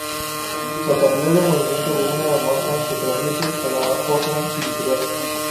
La cantidad de movimiento de una masa se transmite a la otra y viceversa.